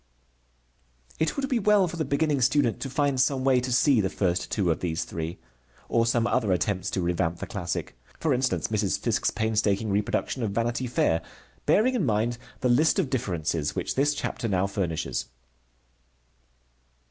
It would be well for the beginning student to find some way to see the first two of these three, or some other attempts to revamp the classic, for instance Mrs. Fiske's painstaking reproduction of Vanity Fair, bearing in mind the list of differences which this chapter now furnishes.